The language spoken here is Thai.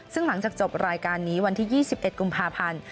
ซึ่งหลังจากจบรายการนี้วันที่๒๑กุมภาพันธ์